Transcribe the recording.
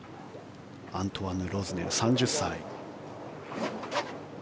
アントワヌ・ロズネル、３０歳。